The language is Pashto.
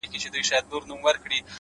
دا ستا د سترگو په كتاب كي گراني ـ